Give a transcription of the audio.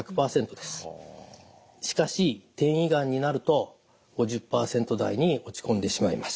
しかし転移がんになると５０％台に落ち込んでしまいます。